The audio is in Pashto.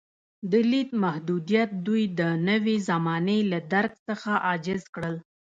د لید محدودیت دوی د نوې زمانې له درک څخه عاجز کړل.